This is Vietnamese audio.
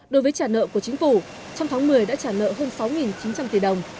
đối với trả nợ của chính phủ trong tháng một mươi đã trả nợ hơn sáu chín trăm linh tỷ đồng